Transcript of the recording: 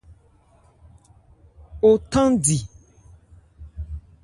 O thandi.